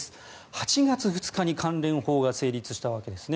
８月２日に関連法が成立したわけですね。